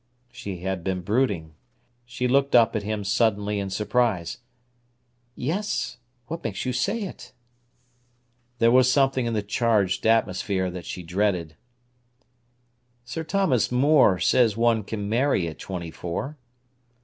She had been brooding. She looked up at him suddenly in surprise. "Yes. What makes you say it?" There was something in the charged atmosphere that she dreaded. "Sir Thomas More says one can marry at twenty four."